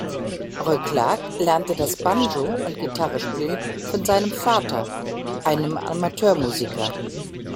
Roy Clark lernte das Banjo- und Gitarre-Spielen von seinem Vater, einem Amateurmusiker.